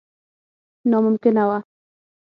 ناممکنه وه.